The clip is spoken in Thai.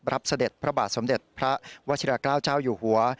เสด็จพระบาทสมเด็จพระวชิราเกล้าเจ้าอยู่หัว